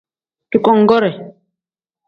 Dugongoore.